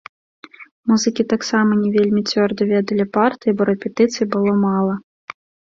Музыкі таксама не вельмі цвёрда ведалі партыі, бо рэпетыцый было мала.